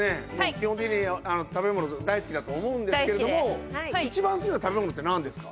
基本的に食べ物大好きだと思うんですけれども一番好きな食べ物ってなんですか？